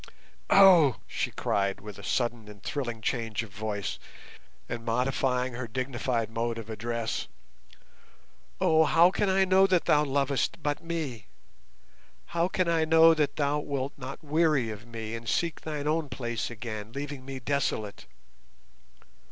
"Oh!" she cried, with a sudden and thrilling change of voice, and modifying her dignified mode of address. "Oh, how can I know that thou lovest but me? How can I know that thou wilt not weary of me and seek thine own place again, leaving me desolate?